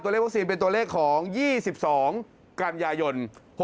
เลขวัคซีนเป็นตัวเลขของ๒๒กันยายน๖๖